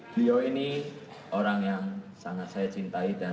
beliau ini orang yang sangat saya cintai